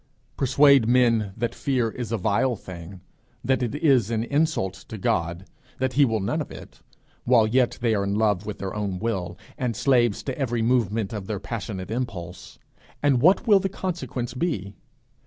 Persuade men that fear is a vile thing, that it is an insult to God, that he will none of it while yet they are in love with their own will, and slaves to every movement of passionate impulse, and what will the consequence be?